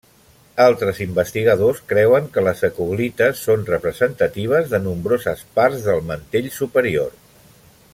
Altres investigadors creuen que les eclogites són representatives de nombroses parts del mantell superior.